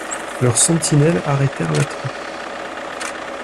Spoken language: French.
Leurs sentinelles arrêtèrent la troupe.